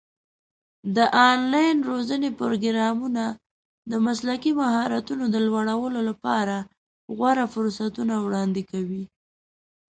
د آنلاین روزنې پروګرامونه د مسلکي مهارتونو د لوړولو لپاره غوره فرصتونه وړاندې کوي.